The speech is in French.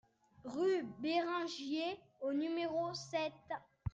Rue Béringier au numéro sept